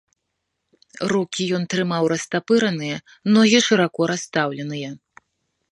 Рукі ён трымаў растапыраныя, ногі шырока расстаўленыя.